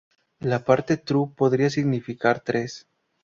La parte "tru" podría significar "tres".